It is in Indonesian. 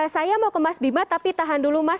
saya mau ke mas bima tapi tahan dulu mas